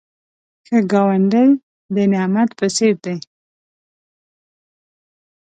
ښه ګاونډی د نعمت په څېر دی